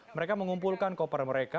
mereka mengumpulkan koper mereka